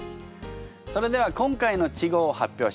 それでは今回の稚語を発表しましょう。